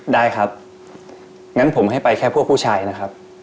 ได้ครับงั้นผมให้ไปแค่พวกผู้ชายนะครับ